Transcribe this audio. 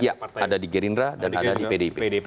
ya ada di girinda dan ada di pdip